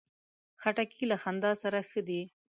خټکی له خندا سره ښه ده.